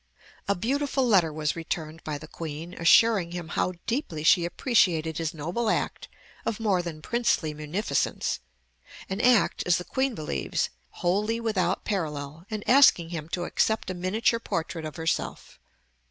A beautiful letter was returned by the Queen, assuring him how deeply she appreciated his noble act of more than princely munificence, an act, as the Queen believes, "wholly without parallel," and asking him to accept a miniature portrait of herself.